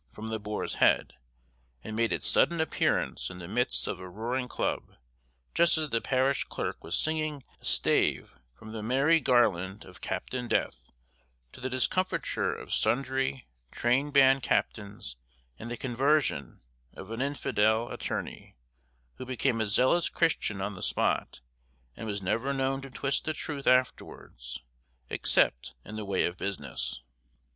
from the Boar's Head, and made its sudden appearance in the midst of a roaring club, just as the parish clerk was singing a stave from the "mirre garland of Captain Death;" to the discomfiture of sundry train band captains and the conversion of an infidel attorney, who became a zealous Christian on the spot, and was never known to twist the truth afterwards, except in the way of business.